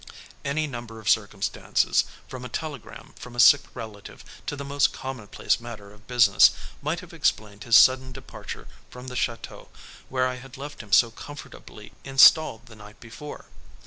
Any number of circumstances, from a telegram from a sick relative to the most commonplace matter of business, might have explained his sudden departure from the château where I had left him so comfortably installed the night before.